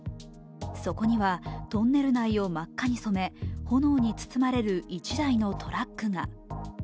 そこにはトンネル内を真っ赤に染め炎に包まれる１台のトラックが。